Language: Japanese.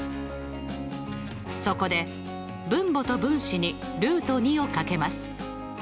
そこで分母と分子にをかけます。